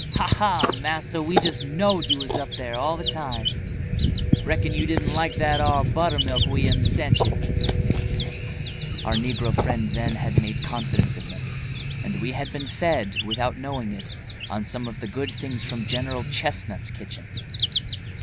"Ha ha! massa! we just knowed you was up there all the time. Reckon you didn't like that ar buttermilk what we'uns sent you." Our negro friend then had made confidents of them, and we had been fed, without knowing it, on some of the good things from General Chestnut's kitchen.